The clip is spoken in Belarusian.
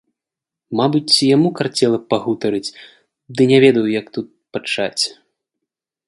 Мабыць, і яму карцела пагутарыць, ды не ведаў, як тут пачаць.